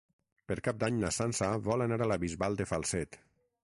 Per Cap d'Any na Sança vol anar a la Bisbal de Falset.